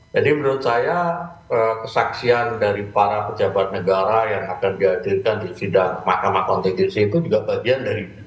jadi menurut saya kesaksian dari para pejabat negara yang akan dihadirkan di sidang mahkamah konteknisi itu juga bagian dari